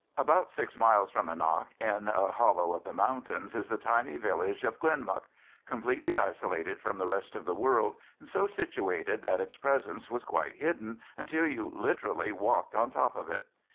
About six miles from Annagh, in a hollow of the mountains, is the tiny village of Glenmuck, completely isolated from the rest of the world, and so situated that its presence was quite hidden until you literally walked on top of it.